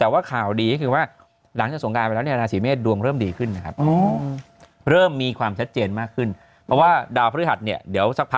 ไม่คือวันที่๑๓เพราะว่าเมื่อวานเนี่ย